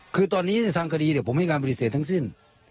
คือตอนนี้ทางคดีดิว่าผมมีการบริเศษทั้งสิ้น